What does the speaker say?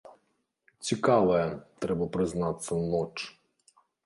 Цікавая, трэба прызнацца, ноч.